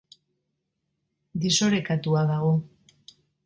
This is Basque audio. Desorekatua dago.